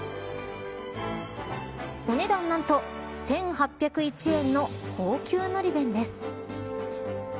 お値段、何と１８０１円の高級海苔弁です。